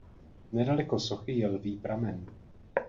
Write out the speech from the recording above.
Nedaleko sochy je Lví pramen.